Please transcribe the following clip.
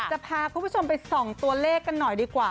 จะพาคุณผู้ชมไปส่องตัวเลขกันหน่อยดีกว่า